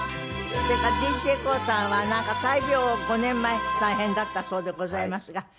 それからＤＪＫＯＯさんはなんか大病を５年前大変だったそうでございますが。